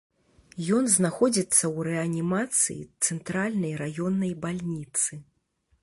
Ён знаходзіцца ў рэанімацыі цэнтральнай раённай бальніцы.